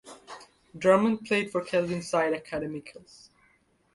Drummond played for Kelvinside Academicals.